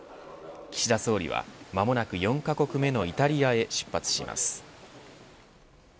岸田総理は間もなく４カ国目のイタリアへ出発します。